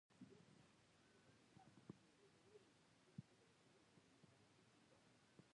چې د نورو له حقوقو څخه هم ملاتړ کوي.